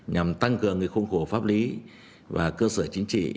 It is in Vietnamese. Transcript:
nhằm tăng cường khung khổ pháp lý và cơ sở chính trị